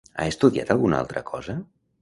Ha estudiat alguna altra cosa?